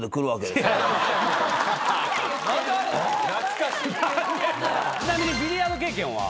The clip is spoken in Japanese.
懐かしいちなみにビリヤード経験は？